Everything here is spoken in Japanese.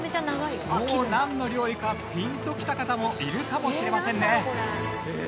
もうなんの料理かピンときた方もいるかもしれませんね。